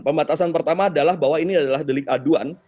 pembatasan pertama adalah bahwa ini adalah delik aduan